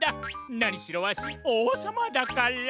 なにしろわしおうさまだから！